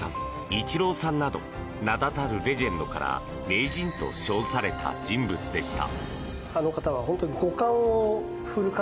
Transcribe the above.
イチローさんなど名だたるレジェンドから名人と称された人物でした。